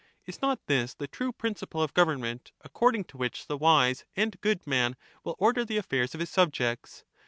Is not this the true principle of government, according to which the wise and good man will order the affairs of his subjects